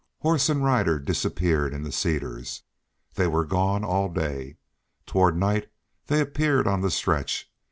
Horse and rider disappeared in the cedars. They were gone all day. Toward night they appeared on the stretch.